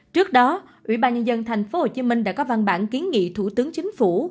trước đó ủy ban nhân dân thành phố hồ chí minh đã có văn bản kiến nghị thủ tướng chính phủ